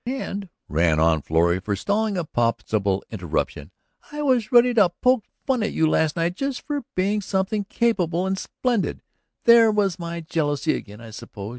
"And," ran on Florrie, forestalling a possible interruption, "I was ready to poke fun at you last night just for being something capable and ... and splendid. There was my jealousy again, I suppose.